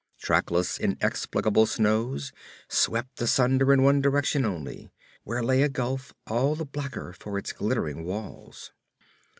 Trackless, inexplicable snows, swept asunder in one direction only, where lay a gulf all the blacker for its glittering walls.